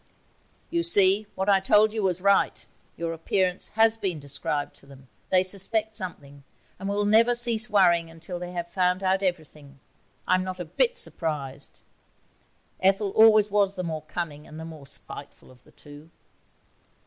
'You see, what I told you was right. Your appearance has been described to them; they suspect something, and will never cease worrying until they have found out everything. I'm not a bit surprised. Ethel always was the more cunning and the more spiteful of the two.'